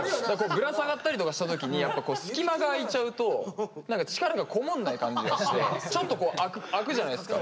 ぶら下がったりとかした時に隙間が空いちゃうと何か力がこもんない感じがしてちょっと空くじゃないですか。